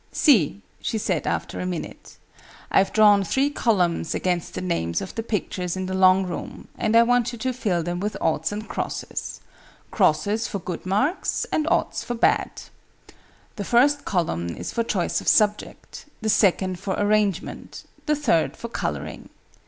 "See," she said after a minute, "I've drawn three columns against the names of the pictures in the long room, and I want you to fill them with oughts and crosses crosses for good marks and oughts for bad. The first column is for choice of subject, the second for arrangement, the third for colouring.